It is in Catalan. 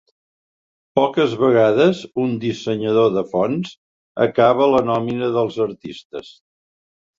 Poques vegades un dissenyador de fonts acaba a la nòmina dels artistes.